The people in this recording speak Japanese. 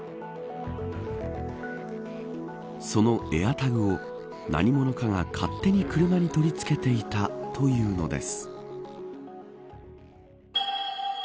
そのエアタグを何者かが勝手に車に取り付けていたというのです。